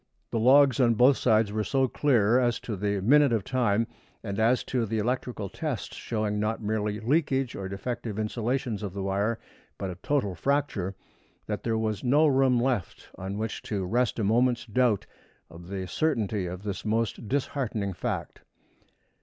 The logs on both sides were so clear as to the minute of time, and as to the electrical tests showing not merely leakage or defective insulations of the wire, but a total fracture, that there was no room left on which to rest a moment's doubt of the certainty of this most disheartening fact.